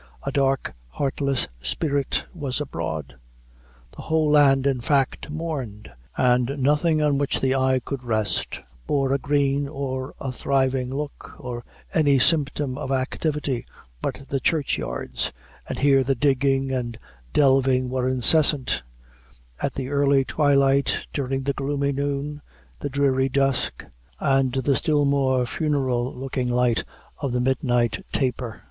A dark, heartless spirit was abroad. The whole land, in fact, mourned, and nothing on which the eye could rest, bore a green or a thriving look, or any symptom of activity, but the churchyards, and here the digging and delving were incessant at the early twilight, during the gloomy noon, the dreary dusk, and the still more funeral looking light of the midnight taper.